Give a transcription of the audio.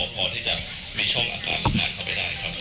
พอที่จะมีช่องอากาศสำคัญเข้าไปได้ครับ